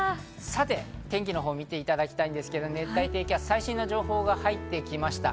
さて天気を見ていきたいんですけど、熱帯低気圧、最新の情報が入ってきました。